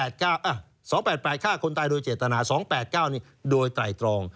๒๘๘ฆ่าคนตายโดยเจตนา๒๘๙โดยไตรตรอง